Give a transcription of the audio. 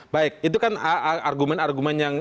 baik itu kan argumen argumen yang